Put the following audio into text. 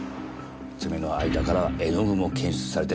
爪の間から絵の具も検出されている。